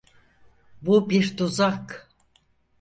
Bu bir tuzak!